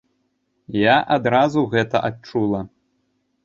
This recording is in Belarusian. Я адразу гэта адчула.